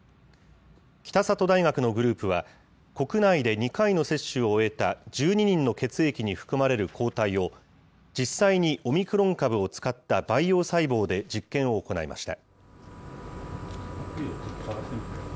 北里大学のグループは、国内で２回の接種を終えた１２人の血液に含まれる抗体を、実際にオミクロン株を使った培養細胞で実験を行いました。